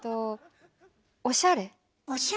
おしゃれ？